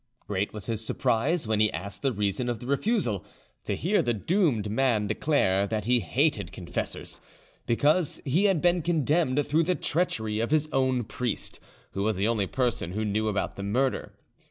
Great was his surprise, when he asked the reason of the refusal, to hear the doomed man declare that he hated confessors, because he had been condemned through the treachery of his own priest, who was the only person who knew about the murder.